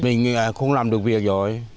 mình không làm được việc rồi